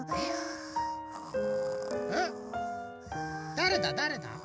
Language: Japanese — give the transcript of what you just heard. だれだだれだ？